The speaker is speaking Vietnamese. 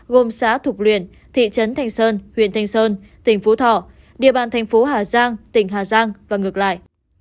gồm xã thục luyện thị trấn thành sơn huyện thanh sơn tỉnh phú thọ địa bàn thành phố hà giang tỉnh hà giang và ngược lại